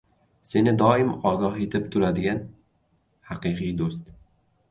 • Seni doim ogoh etib turadigan — haqiqiy do‘st.